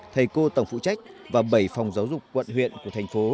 thầy cô tổng phụ trách và bảy phòng giáo dục quận huyện của thành phố